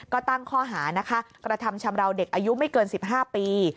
ก็ตั้งข้อหานะคะกระทำชำราวเด็กอายุไม่เกิน๑๕ปี